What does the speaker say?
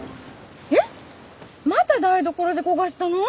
えっまた台所で焦がしたの？